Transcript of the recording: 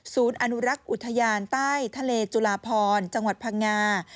อนุรักษ์อุทยานใต้ทะเลจุลาพรจังหวัดพังงา